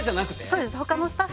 そうです。